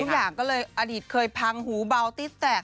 อย่างก็เลยอดีตเคยพังหูเบาติ๊สแตก